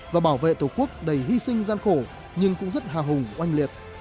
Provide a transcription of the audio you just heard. và bảo vệ tổ quốc đầy hy sinh gian khổ nhưng cũng rất hào hùng oanh liệt